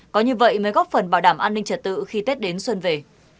có như vậy mới góp phần bảo đảm an ninh trật tự khi tết đến xuân về